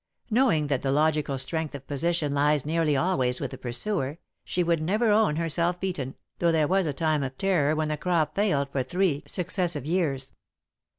Knowing that the logical strength of position lies nearly always with the pursuer, she would never own herself beaten, though there was a time of terror when the crop failed for three successive years.